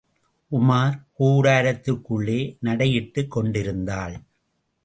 உமார் கூடாரத்திற்குள்ளே நடையிட்டுக் கொண்டிருந்தாள்.